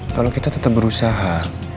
kalau kita tetep berusaha